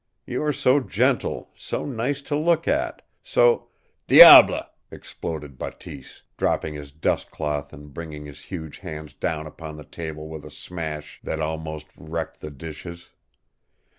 You are so gentle, so nice to look at, so " "DIABLE!" exploded Bateese, dropping his dust cloth and bringing his huge hands down upon the table with a smash that almost wrecked the dishes.